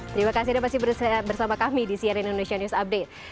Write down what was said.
terima kasih anda masih bersama kami di cnn indonesia news update